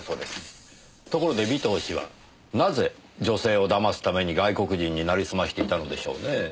ところで尾藤氏はなぜ女性を騙すために外国人に成りすましていたのでしょうねぇ。